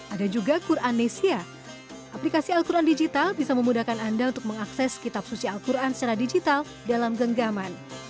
ada juga quran nesia aplikasi al quran digital bisa memudahkan anda untuk mengakses kitab suci al quran secara digital dalam genggaman